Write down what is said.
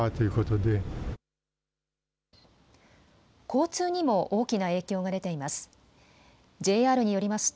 交通にも大きな影響が出ています。